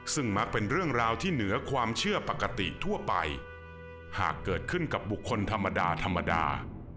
ซึ่งมักเป็นเรื่องราวที่เหนือความเชื่อปกติทั่วไปหากเกิดขึ้นกับบุคคลธรรมดาธรรมดา